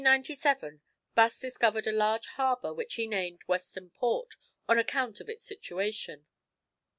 In 1797, Bass discovered a large harbour, which he named Western Port on account of its situation.